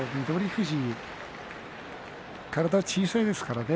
富士は体が小さいですからね。